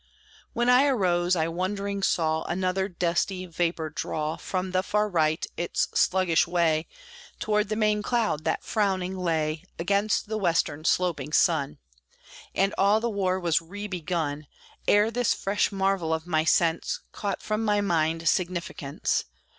When I arose, I wondering saw Another dusty vapor draw, From the far right, its sluggish way Toward the main cloud, that frowning lay Against the western sloping sun: And all the war was re begun, Ere this fresh marvel of my sense Caught from my mind significance.